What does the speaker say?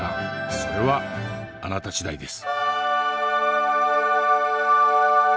それはあなた次第です。